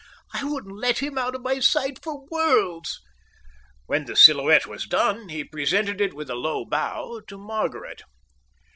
"I wouldn't let him out of my sight for worlds." When the silhouette was done, he presented it with a low bow to Margaret.